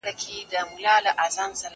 هغه څوک چي موسيقي اوري آرام وي!.